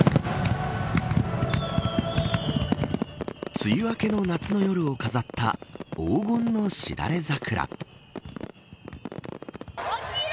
梅雨明けの夏の夜を飾った黄金のしだれ桜。